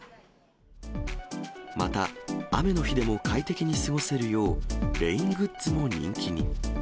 また、雨の日でも快適に過ごせるよう、レイングッズも人気に。